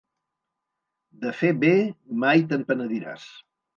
De fer bé mai te'n penediràs.